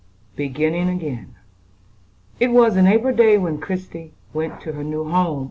STERLING.] It was an April day when Christie went to her new home.